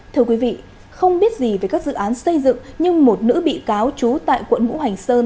thưa quý vị không biết gì về các dự án xây dựng nhưng một nữ bị cáo trú tại quận ngũ hành sơn